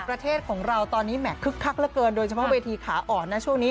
ประเทศของเราตอนนี้แห่คึกคักเหลือเกินโดยเฉพาะเวทีขาอ่อนนะช่วงนี้